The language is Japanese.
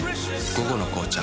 「午後の紅茶」